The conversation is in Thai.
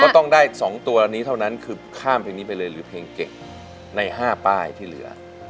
ต้องได้๒ตัวนี้เท่านั้นคือข้ามเพลงนี้ไปเลยหรือเพลงเก่งใน๕ป้ายที่เหลือ